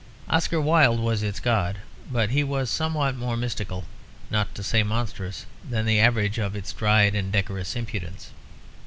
Oscar Wilde was its god; but he was somewhat more mystical, not to say monstrous, than the average of its dried and decorous impudence.